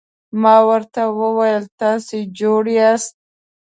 ما ورته وویل: تاسي جوړ یاست؟